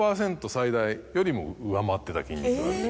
最大よりも上回ってた筋肉がある。